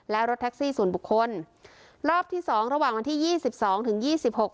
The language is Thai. และรถแท็กซี่ส่วนบุคคลรอบที่สองระหว่างวันที่ยี่สิบสองถึงยี่สิบหก